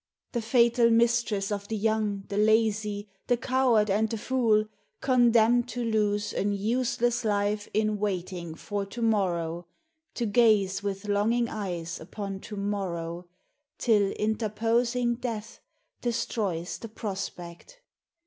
The fatal mistress of the young, the lazy, The coward and the fool, condemned to lose An useless life in waiting for to morrow, To gaze with longing eyes upon to morrow, Till interposing death destroys the prospect.